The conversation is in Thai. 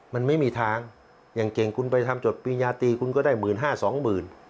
มันไม่มีทางอย่างเก่งคุณไปทำจดปริญญาตีคุณก็ได้๑๕๐๐๐๒๐๐๐๐บาท